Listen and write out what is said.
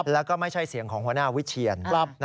แล้วก็ไม่ใช่เสียงของหัวหน้าวิเชียน